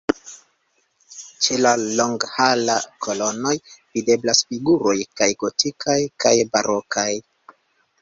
Ĉe la longhala kolonoj videblas figuroj kaj gotikaj kaj barokaj.